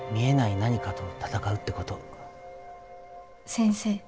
先生。